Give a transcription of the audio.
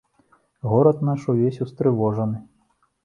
Горад наш увесь устрывожаны.